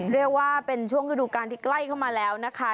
เรียกว่าเป็นช่วงฤดูการที่ใกล้เข้ามาแล้วนะคะ